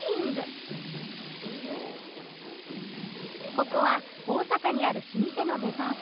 ここは大阪にある老舗のデパート。